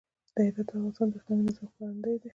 هرات د افغانستان د اقلیمي نظام ښکارندوی ده.